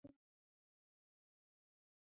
افغانستان کې د ننګرهار لپاره دپرمختیا پروګرامونه شته.